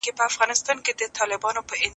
موږ باید د کثافاتو د اچولو لپاره ځای ولرو.